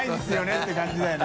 って感じだよね。